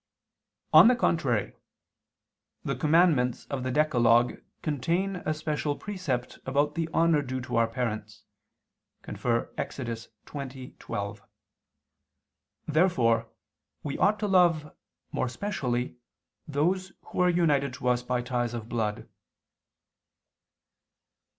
On the contrary, The commandments of the decalogue contain a special precept about the honor due to our parents (Ex. 20:12). Therefore we ought to love more specially those who are united to us by ties of blood.